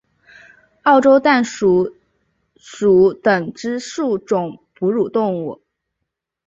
澳洲弹鼠属等之数种哺乳动物。